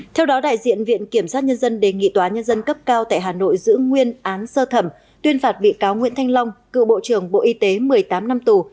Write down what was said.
theo đó đại diện viện kiểm sát nhân dân đề nghị tòa nhân dân cấp cao tại hà nội giữ nguyên án sơ thẩm tuyên phạt bị cáo nguyễn thanh long cựu bộ trưởng bộ y tế một mươi tám năm tù